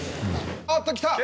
おっときた！